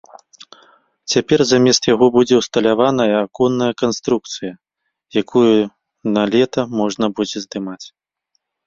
Цяпер замест яго будзе ўсталяваная аконная канструкцыя, якую на лета можна будзе здымаць.